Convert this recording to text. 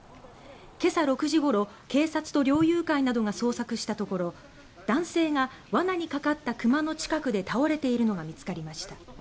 今朝６時ごろ、警察と猟友会などが捜索したところ男性が罠にかかった熊の近くで倒れているのが見つかりました。